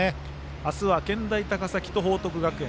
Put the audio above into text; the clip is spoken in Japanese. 明日は健大高崎と報徳学園